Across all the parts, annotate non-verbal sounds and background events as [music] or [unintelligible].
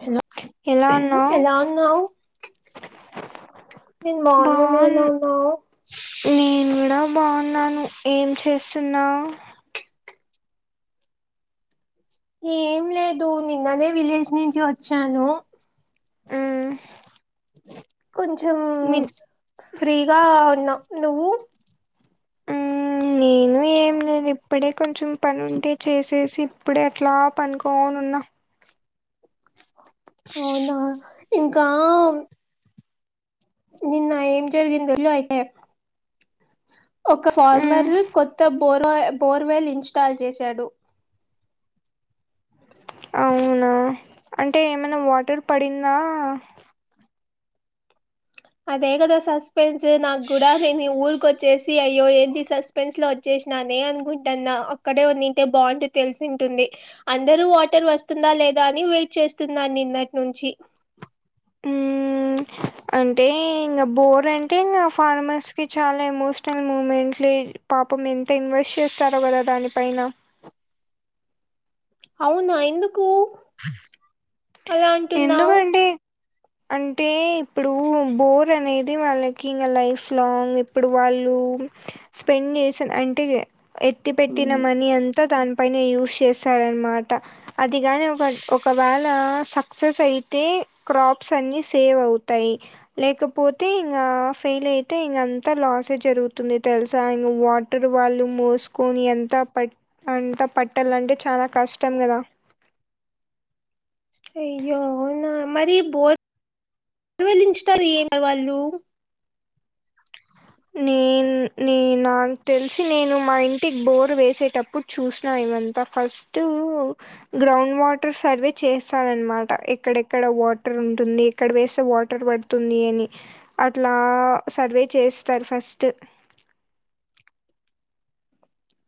Hello ఎలా ఉన్నావ్ ఎలా ఉన్నావు నేను బావున్నా నువ్వు బాన్ ఎలా ఉన్నావు నేను కూడా బాగున్నాను ఏం చేస్తున్నా ఏం లేదు నిన్ననే విలేజ్ నుంచి వచ్చాను మ్మ్ కొంచెం మిన్ ఫ్రీగా ఉన్నా నువ్వు అ నేను ఏం లేను ఇప్పుడే కొంచెం పని ఉంటే చేసేసి ఇప్పుడే అట్లా పనుకోనున్నా అవునా ఇంకా నిన్న ఏం జరిగందలు అయితే ఒక మ్మ్ ఫార్మర్ కొత్త బో బోర్వెల్ ఇన్స్టాల్ చేశాడు అవునా అంటే ఏమైనా వాటర్ పడిందా అదేగదా సస్పెన్స్ నా గుడా నేను ఊర్ కో చ్చేసి అయ్యో ఏది సస్పెన్స్ లో ఒచ్చేసినానే అనుకుంటాన్నా అక్కడే ఉన్నింటే బాంటు తెల్సింటుంది. అందరూ వాటర్ వస్తుందా లేదా అని వెయిట్ చేస్తున్నా నిన్నటి నుంచి ఉమ్ అంటే ఇంగా బోర్ అంటే ఇంగా ఫార్మర్స్ కి చాలా ఎమోషనల్ మూమెంట్లే పాపం ఎంత ఇన్వెస్ట్ చేస్తారో కదా దానిపైన అవునా ఎందుకు అలా అంటున్నావ్ ఎందుకంటే అంటే ఇప్పుడూ బోర్ అనేది వాళ్ళకి ఇంగా లైఫ్ లాంగ్ ఇప్పుడు వాళ్లూ స్పెండ్ జెసిన అంటే ఎట్టి పెట్టిన మనీ అంతా దాని పైనే యూష్ చేస్తారన్మాట అదిగాని బట్ ఒకవ్యాళ సక్సెస్ అయితే క్రాప్స్ అన్ని సేవ్ అవ్తయి లేకపోతే ఇంగా ఫెయిల్ అయితే ఇంగా అంతా లాసే జరుగుతుంది తెల్సా ఇంగ వా అంటారు వాళ్ళు మోస్కొని అంత పే అంత పట్టాలంటే చాలా కష్టం గదా అయ్యో అవునా మరి బోర్ బోర్వేఇన్స్టాలే వాళ్ళు నేన్ నే నాకు తెల్సి నేను మా ఇంటికి బోరు వేసేటప్పుడు చూష్నా ఇవంత ఫస్టు గ్రౌండ్ వాటర్ సర్వే చేసన్మాట ఎక్కడెక్కడ వాటర్ ఉంటుంది ఎక్కడ వేస్తే వాటర్ వడ్ తుంది అని అట్లా సర్వే చేస్తారు ఫస్ట్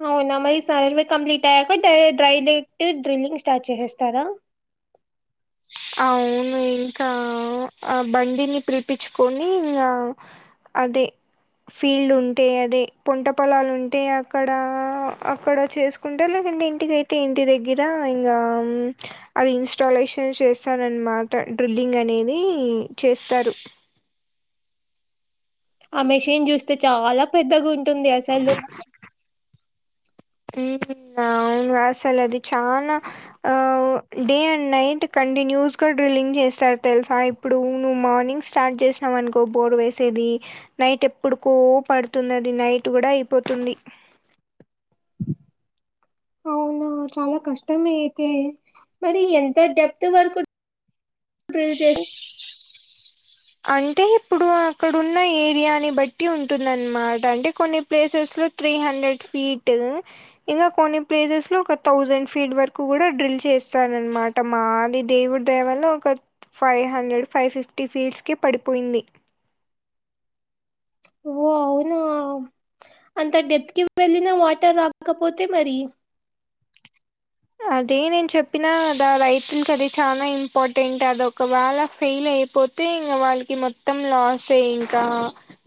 అవునా మరి సర్వే కంప్లీట్ అయక డ్రై డ్రెక్ట్టూ డ్రిల్లింగ్ స్టార్ట్ చేహేస్తారా ఔను ఇంకా ఆ బండిని పిల్పించుకొనీ ఇంకా అదే ఫీల్డ్ ఉంటే అదే పోంట పొలాలు ఉంటే అక్కడా అక్కడ చేస్కు కుంటర్లో ఇంటికయితే ఇంటి దెగ్గిరా ఇంగా ఆమ్ అవి ఇన్స్టాలేషన్ చేస్తారన్మాట డ్రిల్లింగ్ అనేదీ చేస్తారు ఆ మెషిన్ జుస్తే చాలా పెద్దగుంటుంది అసలు ఉహు అవును అసలు అది చానా ఆవ్ డే అన్ నైట్ కంటిన్యూస్ గా డ్రిల్లింగ్ చేస్తారు తెల్సా ఇప్పుడు నువ్వు మార్నింగ్ స్టార్ట్ జెస్నవనుకో బోర్ వేసేది నైట్ ఎప్పుడుకో పడుతుందండి అది నైట్ గూడా అయిపోతుంది అవునా చాలా కష్టమే అయితే మరి ఎంత డెప్త్ వరకు ప్రీల్ చేదు అంటే ఇప్పుడు అక్కడున్న ఏరియాని బట్టి ఉంటుందన్మాట అంటే కొన్ని ప్లేసెస్ లో త్రీ హండ్రెడ్ ఫీటూ ఇగ కొన్ని ప్లేసెస్ లో ఒక తౌసేడ్ ఫీట్ వర్కు కూడా డ్రిల్ చేస్తారు అన్మాట టామ అది దేవుడి దయైవల్ల ఒక ఫైవ్ హండ్రెడ్ ఫై ఫిఫ్టీ ఫీట్స్ కి పడిపోయింది ఓ అవునా అంత డెప్త్ కి వెళ్ళిన వాటర్ రాకపోతే మరి అదే నేను చెప్పినా గదా రైతుల్కి అది చానా ఇంపార్టెంట్ అది ఒకవ్యల ఫెయిల్ అయిపో తే ఇంగా వాల్కి మొత్తం లాసే ఇంకా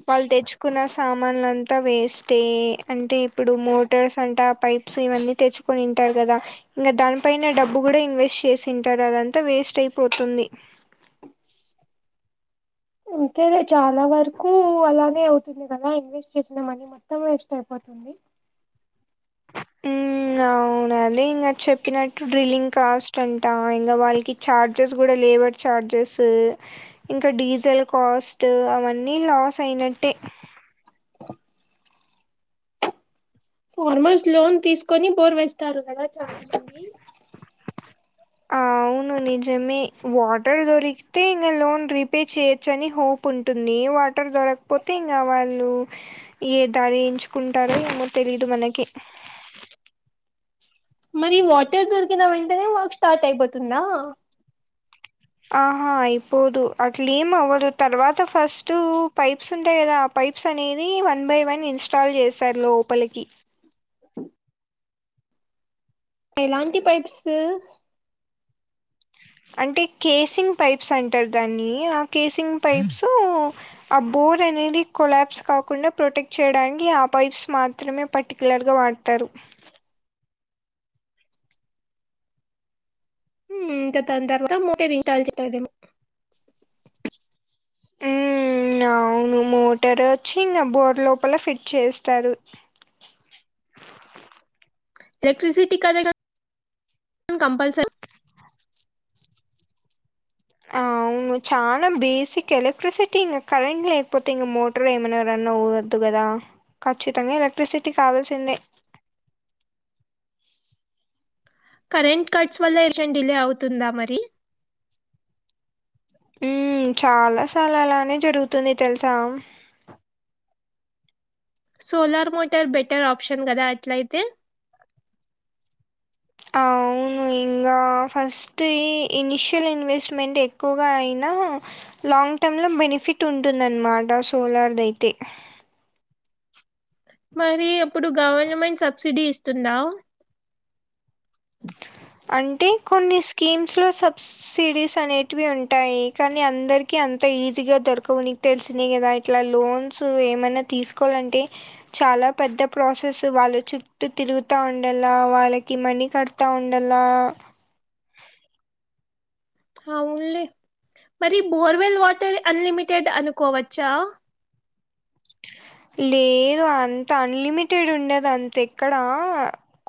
వాళ్ళు తెచ్చుకున్న సామాన్లు అంతా వేస్టే ఎ అంటే ఇప్పుడు మోటార్స్ అంట ఆ పైప్ సో ఇవన్నీ తెచ్చుకొని ఉంటారు గదా ఇంకా దానిపైన డబ్బు కూడా ఇన్వెస్ట్ చేసింటారు అదంతా వేస్ట్ అయిపోతుంది అంతేలే చాలా వర్కు అలానే అవుతుంది కదా ఇన్వెస్ట్ చేసిన మనీ మొత్తం వేస్ట్ అయిపోతుంది హ్మ్ అవునండి ఇంగా చెప్పినట్టు డ్రిల్లింగ్ కాస్ట్ అంటా ఇంగా వాళ్ళకి ఛార్జెస్ కూడా లేబర్ ఛార్జెస్స్ ఇంకా డీజల్ కాస్ట్ అవన్నీ లాస్ అయినట్టే ఫార్మర్స్ లోన్ తీసుకొని బోర్ వేస్తారు కదా చాలా మంది ఆ అవును నిజమే వాటర్ దొరికితే ఇంగ లోన్ రీపే చెయొచ్చు అని హో ప్ ఉంటుంది వాటర్ దొరకపోతే ఇంగా వాళ్ళు ఏ దారి ఎంచుకుంటారో ఏమో తెలీదు మనకి మరి వాటర్ దొరికిన వెంటనే వర్క్ స్టార్ట్ అయిపోతుందా ఆహా అయిపోదు అట్లే ఏం అవ్వదు తర్వాత ఫస్ట్ పైప్స్ ఉంటాయి కదా పైప్స్ అనేది వన్ బై వన్ ఇన్స్టాల్ చేస్తారు లోపలికి ఎలాంటి పైప్స్ అంటే కేసింగ్ పైప్స్ అంటారు దాన్ని ఆ కేసింగ్ పైప్స్సూ ఆ బోర్ అనేది కొలాప్స్ కాకుండా ప్రొటెక్ట్ చేయడానికి ఆ పైప్స్ మాత్రమే పర్టికులర్ గా వాడ్ తరు హ్మ్ ఇంక దాని తర్వాత మోటర్ [unintelligible] మ్మ్ అవును మోటార్ వచ్చి ఇంగ బోర్ లోపల ఫిట్ చేస్తారు ఎలెక్ట్రసిటీ కదేగా కంపల్సరీ అవును చాలా బేసిక్ ఎలెక్ట్రిసిటీ ఇంగ కరెంట్ లేకపోతే ఇంగ మో ట్ర్ ఏమన్న రన్ అవ్వద్దు కదా ఖచ్చితంగా ఎలక్ట్రిసిటీ కావాల్సిందే కరెంట్ కట్స్ వల్ల ఏషన్ డిలే అవుతుందా మరి హ్మ్ చాలాసార్లు అలానే జరుగుతుంది తెలుసా సోలార్ మోటార్ బెటర్ ఆప్షన్ కదా అట్లయితే అవును ఇంగా ఫస్ట్ ఇనిషియల్ ఇన్వెస్ట్మెంట్ ఎక్కువగా అయినా లాంగ్ టర్మ్ లో బెనిఫిట్ ఉంటుందనమాట సోలార్ ది అయితే మరి అప్పుడు గవర్నమెంట్ సబ్సిడీ ఇస్తుందా అంటే కొన్ని స్కీమ్స్ లో సబ్సిడీస్ అనేటివి ఉంటాయి కానీ అందర్ కి అంత ఈజీ గా దొరకవు నీకు తెలిసిందే కదా ఇట్లా లోన్స్ ఏమైనా తీసుకోవాలంటే చాలా పెద్ద ప్రాసెస్ వాళ్ళ చుట్టూ తిరుగుతా ఉండలా వాళ్ళకి మనీ కడతా ఉన్ ఎలా అవునులే మరి బోర్వెల్ వాటర్ అన్లిమిటెడ్ అనుకోవచ్చా లేదు అంత అన్లిమిటెడ్ ఉండదు అంత ఎక్కడా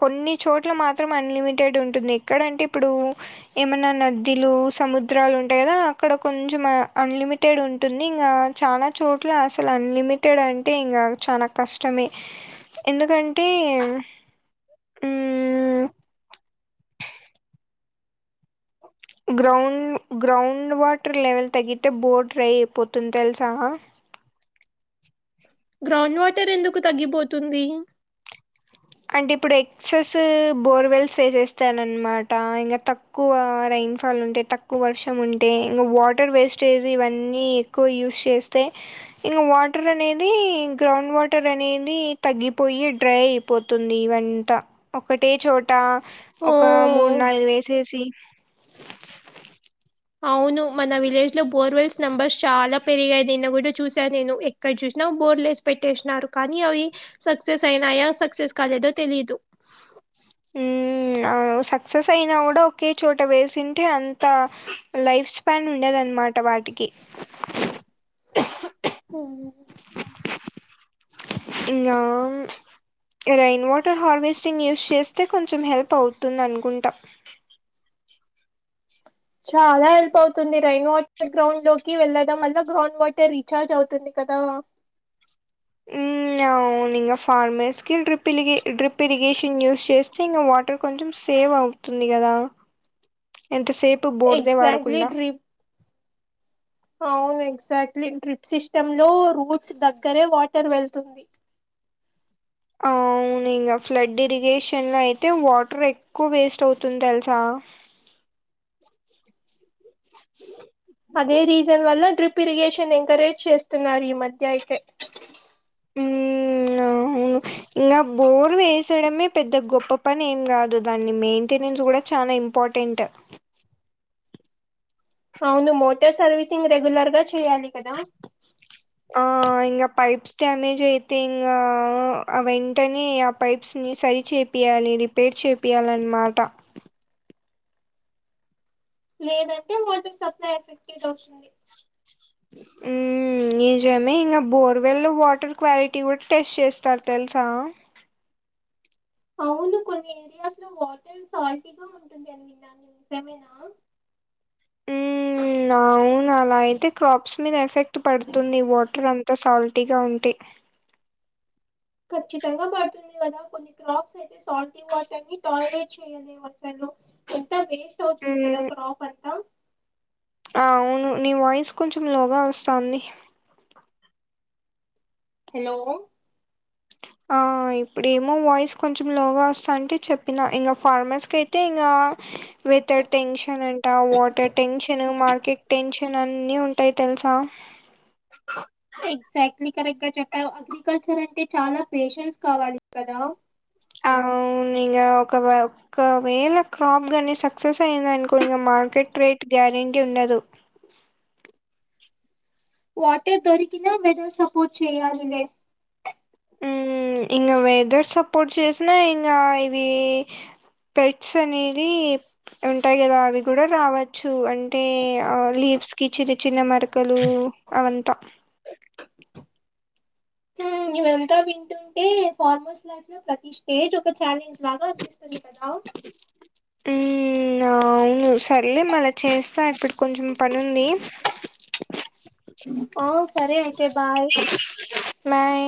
కొన్ని చోట్ల మాత్రం అన్లిమిటెడ్ ఉంటుంది ఎక్కడంటే ఇప్పుడు ఏమైన నద్దిలు సముద్రాలు ఉంటాయి కదా అక్కడ కొంచెం అన్లిమి టేడ్ ఉంటుంది ఇంగా చాలా చోట్ల అసలు అన్లిమి టడంటే ఇంగా చాలా కష్టమే ఎందుకంటే హ్మ్ ఓ [unintelligible] గ్రౌండ్ గ్రౌండ్ వాటర్ లెవెల్ తగ్గితే బోర్ డ్రై అయిపోతుంది తెల్సా గ్రౌండ్ వాటర్ ఎందుకు తగ్గిపోతుంది అంటే ఇప్పుడు ఎక్సెస్ బోర్వెల్స్ వేసేస్తానన్న మాట ఇంగా తక్ తక్కువ రైన్ ఫాల్ ఉంటే తక్కువ వర్షం ఉంటే ఇంగా వాటర్ వేస్టేజ్ ఇవన్నీ ఎక్ క్కు యూస్ చేస్తే ఇంగ వాటర్ అనేది గ్రౌండ్ వాటర్ అనేది తగ్గిపోయి డ్రై పోతుంది వంట ఒకటే చోట ఒక మూడు ఓ నాలుగు వేసేసి అవును మన విలేజ్ లో బోర్వెల్స్. నెంబర్స్ చాలా పెరిగాయి నిన్న కూడా చూసాను నేను ఎక్కడ చూసినా బోర్లేసి పెట్టేసినారు కానీ అవి సక్సెస్ అయినాయా సక్సెస్ కాలేదో తెలియదు మ్ మ్ సక్సెస్ అయినా కూడా ఒకే చోట వేసింటే అంత లైఫ్ న్ ఉండేదన్నమాట వాటికి మ్ [unintelligible] రైయిన్ వాటర్ హార్వెస్టింగ్ యూస్ చేస్తే కొంచెం హెల్ప్ అవుతుంది అనుకుంటా. చాలా హెల్ప్ అవుతుంది రెయిన్ వాటర్ గ్రౌండ్ లోకి వెళ్ళడం వల్ల గ్రౌండ్ వాటర్ రీచార్జ్ అవుతుంది కదా మ్ య అవున్ ఇంకా ఫార్మర్స్కి డ్రిప్ ఇరిగే డ్రిప్ ఇరిగేషన్ యూస్, చేస్తే ఇంకా వాటర్ కొంచెం సేవ్ అవు తుంది కదా ఎంతసేపు బోర్దే ఎగ్జాక్ట్లీ వాడకుండా డ్రిప్ అవును ఎగ్జాక్ట్లీ డ్రిప్ సిస్టమ్ లో రూట్స్ దగ్గరే వాటర్ వెళ్తుంది అవును ఇంగ ఫ్లడ్ఇరిగేషన్ లో అయితే వాటర్ ఎ ఎక్కువ వేస్ట్ అవుతుంది తెల్సా అదే రీజన్ వల్ల డ్రిప్ ఇరిగేషన్ ఎంకరేజ్ చేస్తున్నారు ఈ మధ్య అయితే ఉమ్ అవును ఇంగ బోర్ వేసయ్యడమే పెద్ద గొప్ప పని ఏం గాదు దాన్ని మెయింటెనెన్స్ కూడా చాలా ఇంపా ఇంపార్టెంట్ అవును మోటార్ సర్వీసింగ్ రెగ్యులర్ గా చేయాలి కదా ఆ ఇంగ పైప్స్ డ్యామేజ్ అయితే ఇంగా వెంటనే ఆ పైప్స్ ని సరి చేపి చేపియ్యాలి రిపేర్ చేపియ్యాలిన్నమాట. లేదంటే వాటర్ సప్లైఎఫెక్టిడ్ అవుతుంది మ్ నిజమే ఇంకా బోర్వెల్లో వాటర్ క్వాలిటీ కూడా టెస్ట్ చేస్తారు తెలుసా అవును కొన్ని ఏరియాస్ లో వాటర్ సాల్టీగా ఉంటుంది అని విన్నాను నిజమేనా నా అవును అలా అయితే క్రాప్స్ మీద ఎఫెక్ట్ పడుతుంది వాటర్ అంత సాల్టీ గా ఉంటే ఖచ్చితంగా పడుతుంది కదా కొన్ని క్రాప్స్ అయితే సాల్టి వాటర్ టాలరేట్ చేయలే వసలు ఎంత వేస్ట్ అవుతుంది కదా మ్మ్ క్రాప్ అంతా అవును నీ వాయిస్ కొంచెం లోగా వస్తొంది హలో ఆ ఇప్పుడేమో వాయిస్ కొంచెం లోగా వస్తాంటే చెప్పినా ఇంగ ఫార్మర్స్ కయితే ఇంగా వితర్ టెన్షన్ అంటా వాటర్ టెన్షన్ మార్కెట్ టెన్షన్ అన్ని ఉంటాయి తెలుసా ఎగ్జాక్ట్లీ కరెక్ట్ గా చెప్పావ్ అగ్రికల్చర్ అంటే చాలా పేషెన్స్ కావాలి కదా అవును ఇంగా ఒక ఒకవేళ క్రాప్ గాని సక్సెస్ అయిందనుకో ఇంగ మార్కెట్ రేట్ గ్యారెంటీ ఉండదు వాటర్ దొరికిిన వెదర్ సపోర్ట్ చేయాలిలే ఇంగ వెదర్ సపోర్ట్ చేసినా ఇంగా ఇవి పెట్స్ అనేది ఉంటాయి కదా అవి కూడా రావచ్చు అంటే లీఫ్స్ కి చిన్న చిన్న మరకలు అవంతా హ్మ్, ఇవంతా వింటుంటే ఫార్మర్స్ లైఫ్ లో ప్రతి స్టేజ్ ఒక ఛాలెంజ్ లాగ అనిపిస్తుంది కదా మ్ అవును సరేలే మళ్ళ చేస్తా ఇప్పుడు కొంచెం పని ఉంది ఆ సరే అయితే బాయ్ బాయ్